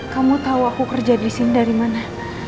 kamu tahu aku kerja disini dari mana